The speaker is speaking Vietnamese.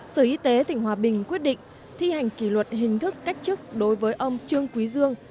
sở y tế tỉnh hòa bình quyết định thi hành kỷ luật hình thức cách chức đối với ông trương quý dương